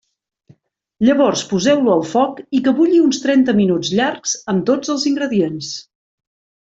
Llavors poseu-lo al foc i que bulli uns trenta minuts llargs amb tots els ingredients.